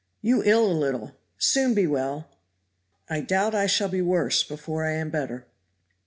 "You ill a little soon be well." "I doubt I shall be worse before I am better."